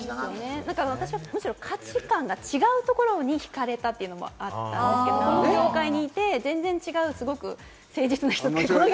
私は価値観が違うところに惹かれたというところもあったんですけれども、この業界にいて、全然違うすごく誠実な人。